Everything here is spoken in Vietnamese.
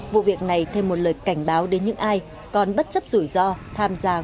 vụ việc này thêm một lời cảnh báo đến những ai còn bất chấp rủi ro tham gia